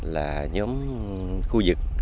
là nhóm khu vực